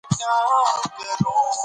د واک ناسم استعمال ستونزې جوړوي